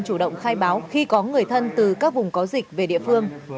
chủ động khai báo khi có người thân từ các vùng có dịch về địa phương